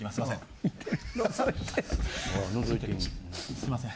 すいません。